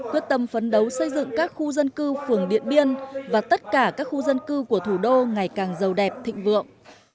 quyết tâm phấn đấu xây dựng các khu dân cư phường điện biên và tất cả các khu dân cư của thủ đô ngày càng giàu đẹp thịnh vượng